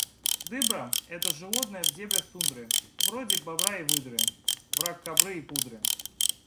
Дыбра – это животное в дебрях тундры, вроде бобра и выдры, враг кобры и пудры.